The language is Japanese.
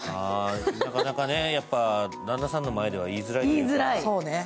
なかなか旦那さんの前では言いづらい。